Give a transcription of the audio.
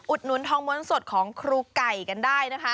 หนุนทองม้วนสดของครูไก่กันได้นะคะ